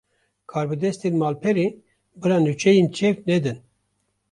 Karbidestên malperê, bila nûçeyên çewt nedin